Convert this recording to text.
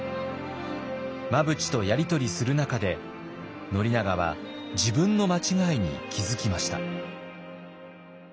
真淵とやり取りする中で宣長は自分の間違いに気付きました。